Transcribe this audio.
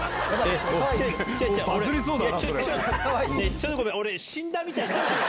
ちょっとごめん俺死んだみたいになってない？